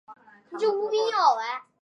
再娶阿剌罕公主。